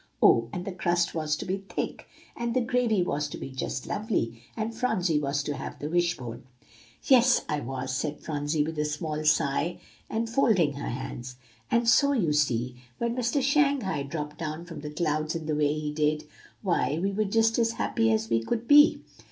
Oh! and the crust was to be thick, and the gravy was to be just lovely, and Phronsie was to have the wish bone." "Yes, I was," said Phronsie, with a small sigh, and folding her hands. "And so, you see, when Mister Shanghai dropped down from the clouds in the way he did, why, we were just as happy as we could be.